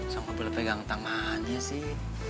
sama boleh pegang tangannya sih